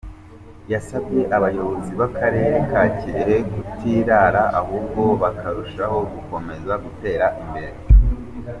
Yasabye abayobozi b’akarere ka Kirehe kutirara ahubwo bakarushaho gukomeza gutera imbere.